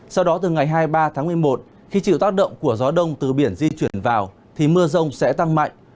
sau đó từ ngày hai mươi ba tháng một mươi một khi chịu tác động của gió đông từ biển di chuyển vào thì mưa rông sẽ tăng mạnh